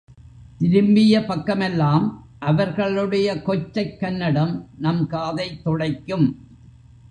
திரும்பிய பக்கமெல்லாம் அவர்களுடைய கொச்சைக் கன்னடம் நம் காதைத் துளைக்கும்.